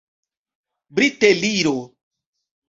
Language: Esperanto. briteliro